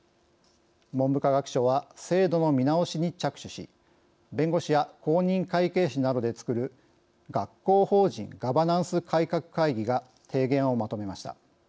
文部科学省は制度の見直しに着手し弁護士や公認会計士などで作る学校法人ガバナンス改革会議が提言をまとめました。